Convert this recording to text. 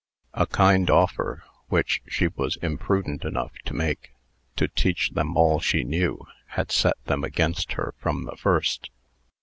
A kind offer, which she was imprudent enough, to make, to teach them all she knew, had set them against her from the first.